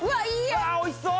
うわっおいしそう！